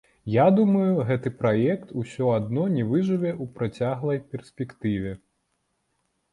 Я думаю, гэты праект усё адно не выжыве ў працяглай перспектыве.